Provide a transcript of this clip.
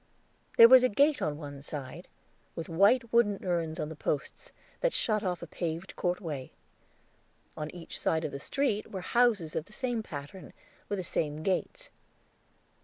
There was a gate on one side, with white wooden urns on the posts, that shut off a paved courtway. On each side of the street were houses of the same pattern, with the same gates.